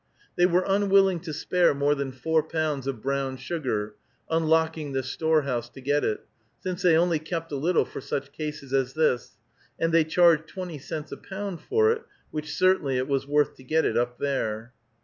They were unwilling to spare more than four pounds of brown sugar, unlocking the storehouse to get it, since they only kept a little for such cases as this, and they charged twenty cents a pound for it, which certainly it was worth to get it up there.